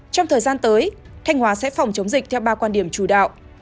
trong thời gian tới thanh hóa sẽ phòng chống dịch theo ba quan điểm chủ đạo